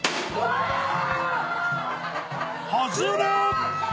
外れ。